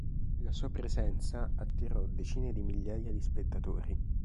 La sua presenza attirò decine di migliaia di spettatori.